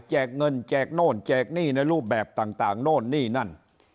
เงินแจกโน่นแจกหนี้ในรูปแบบต่างโน่นนี่นั่น